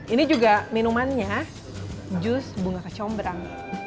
ini juga minumannya jus bunga kecombrang